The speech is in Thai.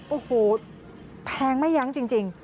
โอ้โหแพงไม่ยั้งจริง